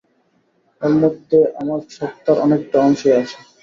ওর মধ্যে আমার স্বত্বার অনেকটা অংশই আছে।